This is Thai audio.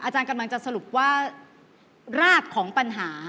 อาจารย์กำลังจะสรุปว่ารากของปัญหา